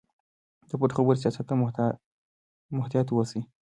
د پټو خبرو سیاست ته محتاط اوسئ.